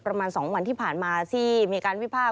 ประมาณ๒วันที่ผ่านมาที่มีการวิพากษ